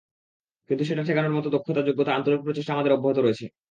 কিন্তু সেটা ঠেকানোর মতো দক্ষতা, যোগ্যতা, আন্তরিক প্রচেষ্টা আমাদের অব্যাহত রয়েছে।